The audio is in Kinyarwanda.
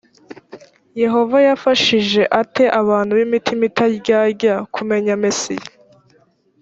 yehova yafashije ate abantu b imitima itaryarya kumenya mesiya